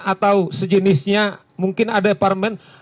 atau sejenisnya mungkin ada parlemen